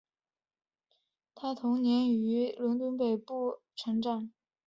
她童年于伦敦北部哈林盖成长。